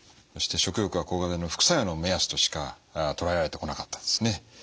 そして食欲は抗がん剤の副作用の目安としかとらえられてこなかったんですね。